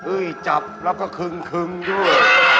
เอ้ยจับแล้วก็คึ่งคึ่งด้วย